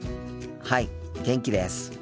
はい元気です。